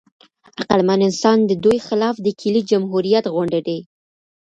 عقلمن انسان د دوی خلاف د کیلې جمهوریت غوندې دی.